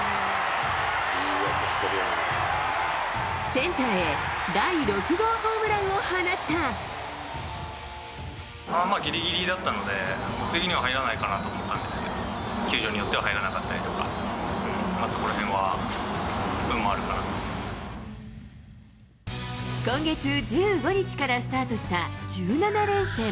センターへ第６号ホームランを放ぎりぎりだったので、僕的には入らないかなと思ったんですけど、球場によっては入らなかったりとか、今月１５日からスタートした１７連戦。